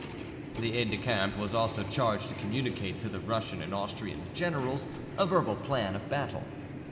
The aide de camp was also charged to communicate to the Russian and Austrian generals a verbal plan of battle.